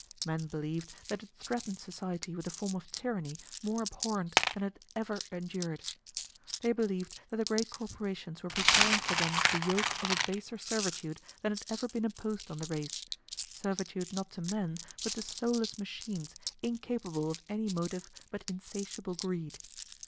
Men believed that it threatened society with a form of tyranny more abhorrent than it had ever endured. They believed that the great corporations were preparing for them the yoke of a baser servitude than had ever been imposed on the race, servitude not to men but to soulless machines incapable of any motive but insatiable greed.